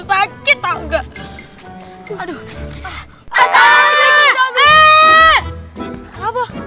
sakit tahu enggak